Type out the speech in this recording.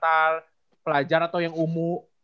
kalau kompetisi antar pelajar atau yang umur